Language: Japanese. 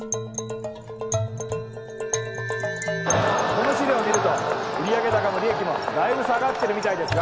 この資料を見ると売上高も利益も大分下がってるみたいですが。